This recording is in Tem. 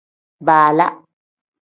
Baala.